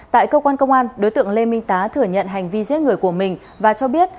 tại cơ quan công an đối tượng lê minh tá thừa nhận hành vi giết người của mình và cho biết